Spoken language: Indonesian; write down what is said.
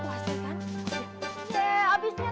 gak usah gada gadain